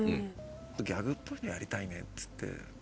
ギャグっぽいのやりたいねって言ってそ